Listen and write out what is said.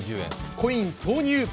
コイン投入。